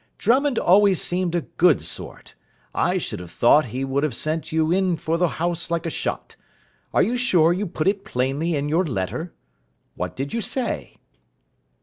"Drummond always seemed a good sort. I should have thought he would have sent you in for the house like a shot. Are you sure you put it plainly in your letter? What did you say?"